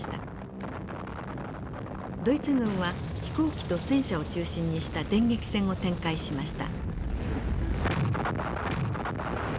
ドイツ軍は飛行機と戦車を中心にした電撃戦を展開しました。